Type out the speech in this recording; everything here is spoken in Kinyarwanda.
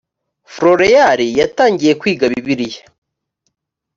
floreal yatangiye kwiga bibiliya